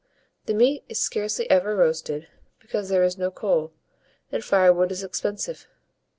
The meat is scarcely ever roasted, because there is no coal, and firewood is expensive.